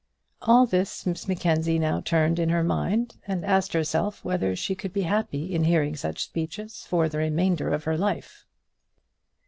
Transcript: All this Miss Mackenzie now turned in her mind, and asked herself whether she could be happy in hearing such speeches for the remainder of her life.